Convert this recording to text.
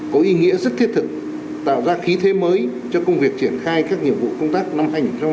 có ý nghĩa rất thiết thực tạo ra khí thế mới cho công việc triển khai các nhiệm vụ công tác năm hai nghìn hai mươi bốn